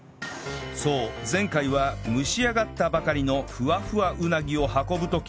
そう前回は蒸し上がったばかりのふわふわうなぎを運ぶ時